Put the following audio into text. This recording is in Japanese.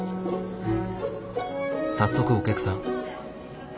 早速お客さん。